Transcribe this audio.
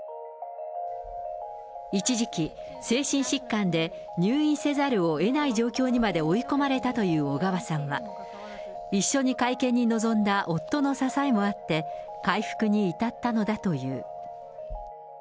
一時期、精神疾患で入院せざるをえない状況にまで追い込まれたという小川さんは、一緒に会見に臨んだ夫の支えもあって、回復に至ったのだという。